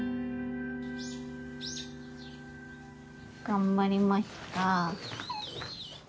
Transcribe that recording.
頑張りました。